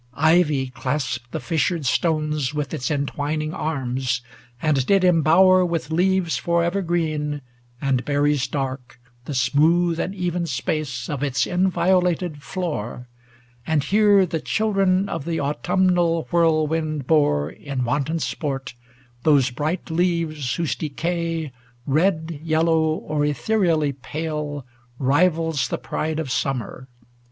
Ivy clasped The fissured stones with its entwining arms, And did embower with leaves forever green 580 And berries dark the smooth and even space Of its inviolated floor ; and here The children of the autumnal whirlwind bore In wanton sport those bright leaves whose decay, Red, yellow, or ethereally pale, Rivals the pride of summer.